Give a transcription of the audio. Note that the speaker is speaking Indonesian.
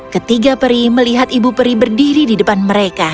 ketiga peri melihat ibu peri berdiri di depan mereka